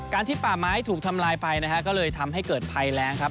ที่ป่าไม้ถูกทำลายไปนะฮะก็เลยทำให้เกิดภัยแรงครับ